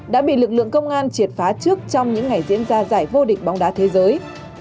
đã bị lực lượng công an triệt phá trước trong những ngày diễn ra giải vô địch bóng đá thế giới